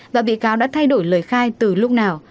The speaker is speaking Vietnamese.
và bị cáo đã thay đổi lời khai từ lúc nào